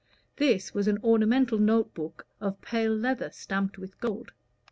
This was an ornamental note book of pale leather stamped with gold.